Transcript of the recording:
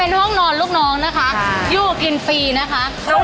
เป็นห้องนอนลูกน้องนะคะอยู่กินฟรีนะคะ